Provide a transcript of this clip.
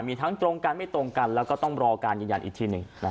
มีทั้งตรงกันไม่ตรงกันแล้วก็ต้องรอการยืนยันอีกทีหนึ่ง